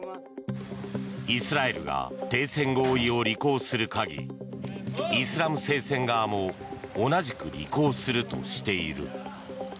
イスラエルが停戦合意を履行する限りイスラム聖戦側も同じく履行するとしている。